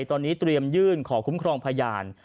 ตอนนี้เตรียมยื่นขอคุ้มครองพยาน